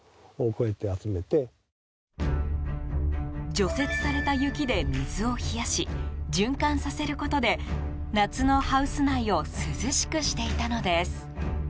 除雪された雪で水を冷やし循環させることで夏のハウス内を涼しくしていたのです。